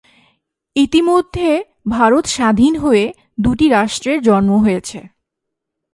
ইতিমধ্যে ভারত স্বাধীন হয়ে দুটি রাষ্ট্রের জন্ম হয়েছে।